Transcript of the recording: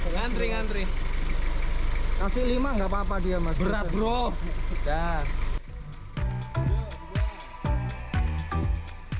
ngantri ngantri kasih lima nggak papa dia mas berat bro udah